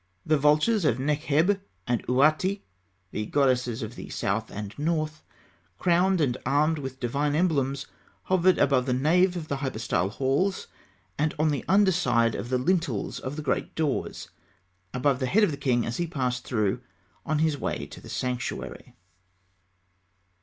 The vultures of Nekheb and Ûati, the goddesses of the south and north, crowned and armed with divine emblems (fig. 104), hovered above the nave of the hypostyle halls, and on the under side of the lintels of the great doors, above the head of the king as he passed through on his way to the sanctuary.